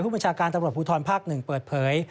บัญชาการตำรวจภูทรภาค๑เปิดเผย